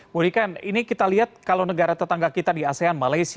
murikan ini kita lihat kalau negara tetangga kita di asean malaysia singapura atau di indonesia